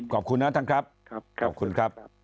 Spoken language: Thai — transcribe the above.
ขอบคุณนะท่านครับขอบคุณครับ